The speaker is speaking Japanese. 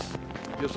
予想